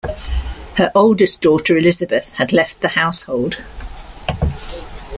Her oldest daughter, Elisabeth, had left the household.